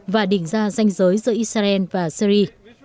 và đỉnh ra danh giới giữa israel và syri